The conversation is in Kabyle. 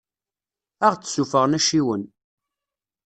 Ad aɣ-d-ssuffɣen acciwen.